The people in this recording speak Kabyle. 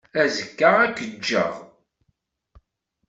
Azekka, ad k-jjeɣ.